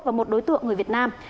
và một đối tượng người việt nam